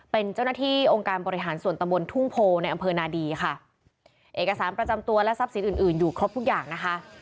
เป็นเจ้าหน้าที่องค์การบริหารส่วนตะบนทุ่งโพในอำเภอนาดีค่ะเอกสารประจำตัวและทรัพย์สินอื่นอื่นอยู่ครบทุกอย่างนะคะ